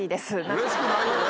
うれしくないよね！